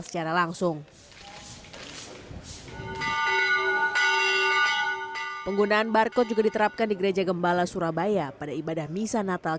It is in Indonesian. secara langsung penggunaan barcode juga diterapkan di gereja gembala surabaya pada ibadah misa natal